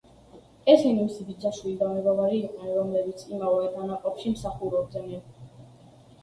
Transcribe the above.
ესენი მისი ბიძაშვილი და მეგობარი იყვნენ, რომლებიც იმავე დანაყოფში მსახურობდნენ.